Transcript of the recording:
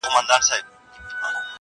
او ښوی مخي دي